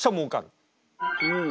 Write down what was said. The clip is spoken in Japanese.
うん。